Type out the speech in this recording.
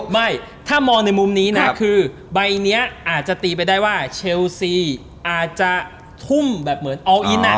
ไม่ถ้ามองในมุมนี้นะคือใบนี้อาจจะตีไปได้ว่าเชลซีอาจจะทุ่มแบบเหมือนออลอินอ่ะ